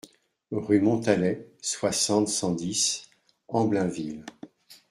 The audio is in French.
Rue Montalet, soixante, cent dix Amblainville